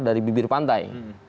dari bibir pantai